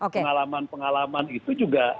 pengalaman pengalaman itu juga